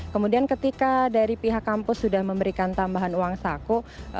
kemudian ketika dari pihak kampus sudah memberikan tambahan uang saku